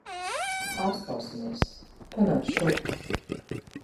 Apskausimies. Panāc šurp.